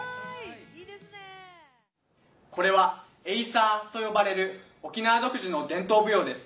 これはエイサーと呼ばれる沖縄独自の伝統舞踊です。